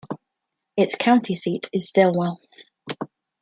Its county seat is Stilwell.